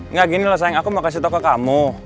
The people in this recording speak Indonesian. enggak gini lah sayang aku mau kasih tau ke kamu